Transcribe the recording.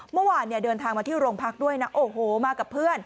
เมื่อวานเนี่ยเดินทางมาที่โรงพักด้วยนะโอ้โหมากับเพื่อน